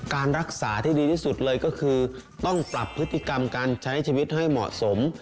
การรักษาที่ดีที่สุดเลยก็คือต้องปรับพฤติกรรมการใช้ชีวิตให้เหมาะสม